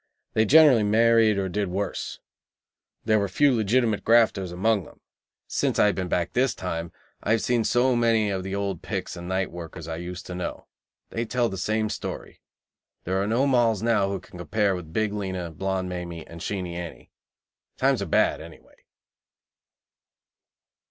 They generally married, or did worse. There were few legitimate grafters among them. Since I have been back this time I have seen a great many of the old picks and night workers I used to know. They tell the same story. There are no Molls now who can compare with Big Lena, Blonde Mamie, and Sheenie Annie. Times are bad, anyway.